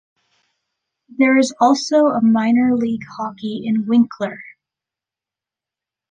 There is also a minor league hockey in Winkler.